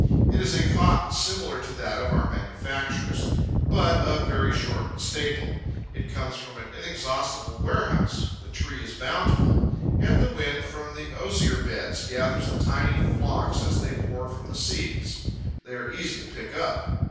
It is a cotton similar to that of our manufactures, but of very short staple. It comes from an inexhaustible warehouse: the tree is bountiful; and the wind from the osier beds gathers the tiny flocks as they pour from the seeds. They are easy to pick up.